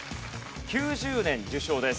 ９０年受賞です。